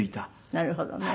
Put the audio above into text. なるほどね。